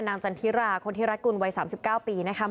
นางจันทิราคนทิรกุลวัย๓๙ปีนะคะ